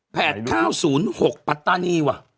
แผด๙๐๖ปัตตานีว่ะ